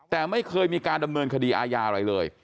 แต่ไม่เคยมีการดำเนินคดีอาญาอะไรเลย